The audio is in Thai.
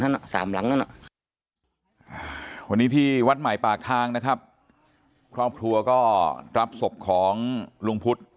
หือสามรังนั่นอะวันนี่ที่วัดใหม่ปากทางนะครับครอบครัวก็รับสมคองลุงพุธ